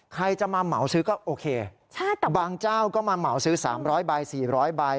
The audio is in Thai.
ใครจะมาเหมาซื้อก็โอเคบางเจ้าก็มาเหมาซื้อ๓๐๐ใบ๔๐๐ใบ